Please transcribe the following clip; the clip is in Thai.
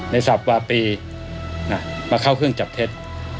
สับวาปีมาเข้าเครื่องจับเท็จ